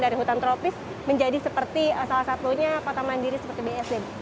dari hutan tropis menjadi seperti salah satunya kota mandiri seperti bsd